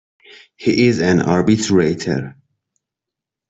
He is an arbitrator.